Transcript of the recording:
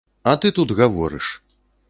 А ты тут гаворыш!